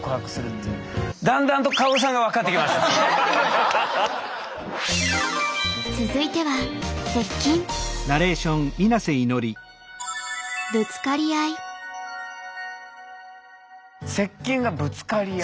だんだんと続いては「接近」が「ぶつかり合い」。